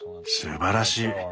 すばらしい。